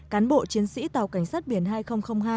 cán bộ chiến sĩ tàu cảnh sát biển hai nghìn hai